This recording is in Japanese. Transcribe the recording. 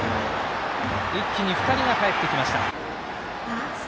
一気に２人がかえってきました。